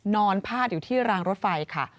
นอนพาดอยู่ที่รางรถไฟค่ะ